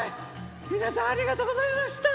みなさんありがとうございました！